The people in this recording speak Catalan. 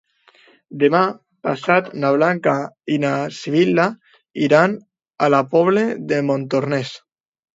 Demà passat na Blanca i na Sibil·la iran a la Pobla de Montornès.